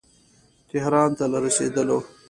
تهران ته له رسېدلو.